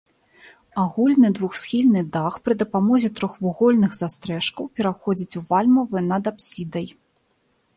Агульны двухсхільны дах пры дапамозе трохвугольных застрэшкаў пераходзіць у вальмавы над апсідай.